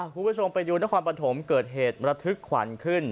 คุณผู้ชมไปดูนครปฐมเกิดเหตุระทึกขวัญขึ้น